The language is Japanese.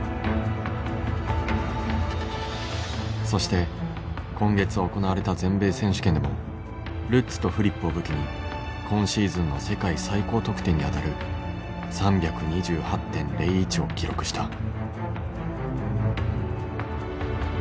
そして今月行われた全米選手権でもルッツとフリップを武器に今シーズンの世界最高得点にあたる３２８．０１を記録した。